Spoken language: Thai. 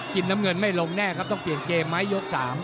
น้ำเงินไม่ลงแน่ครับต้องเปลี่ยนเกมไหมยก๓